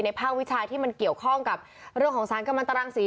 ภาควิชาที่มันเกี่ยวข้องกับเรื่องของสารกำลังตรังสี